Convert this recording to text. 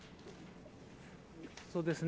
そうですね。